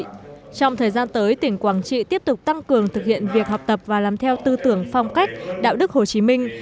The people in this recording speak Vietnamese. trong thời gian tới tỉnh quảng trị tiếp tục tăng cường thực hiện việc học tập và làm theo tư tưởng phong cách đạo đức hồ chí minh